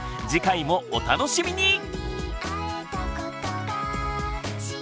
次回もお楽しみに！